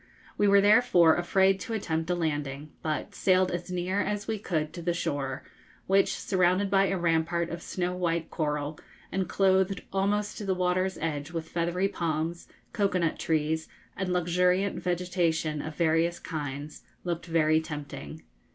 We were therefore afraid to attempt a landing, but sailed as near as we could to the shore, which, surrounded by a rampart of snow white coral, and clothed almost to the water's edge with feathery palms, cocoa nut trees, and luxuriant vegetation of various kinds, looked very tempting.